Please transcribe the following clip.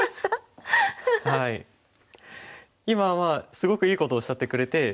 今はすごくいいことをおっしゃってくれて。